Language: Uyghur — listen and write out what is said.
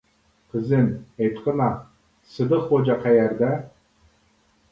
— قىزىم، ئېيتقىنا، سىدىق غوجا قەيەردە؟ !